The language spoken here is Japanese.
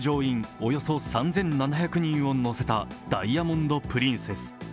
およそ３７００人を乗せた「ダイヤモンド・プリンセス」。